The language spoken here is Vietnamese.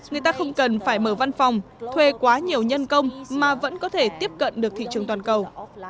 người ta không cần phải mở văn phòng thuê quá nhiều nhân công mà vẫn có thể tiếp cận được thị trường toàn cầu